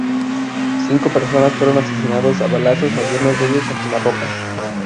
Cinco personas fueron asesinados a balazos, algunos de ellos a quemarropa.